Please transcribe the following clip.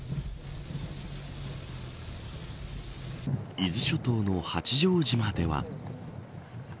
伊豆諸島の八丈島では。